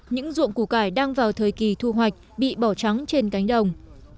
những ruộng củ cải đang vào thời kỳ thu hoạch bị bỏ trắng trên cánh đồng